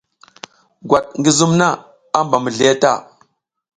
Gwat ngi zum na, a mba mizliye ta.